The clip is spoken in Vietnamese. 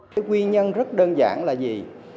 nguyên nhân rất đơn giản là gì